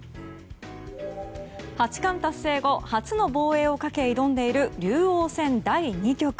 八冠達成後初の防衛をかけ挑んでいる竜王戦第２局。